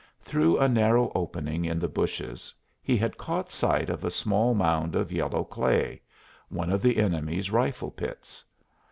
Through a narrow opening in the bushes he had caught sight of a small mound of yellow clay one of the enemy's rifle pits.